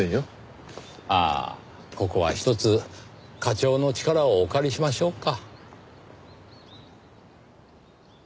ああここはひとつ課長の力をお借りしましょうか。